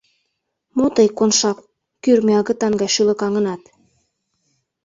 — Мо тый, Коншак, кӱрмӧ агытан гай шӱлыкаҥынат?